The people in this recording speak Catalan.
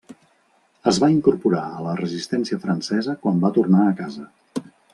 Es va incorporar a la resistència francesa quan va tornar a casa.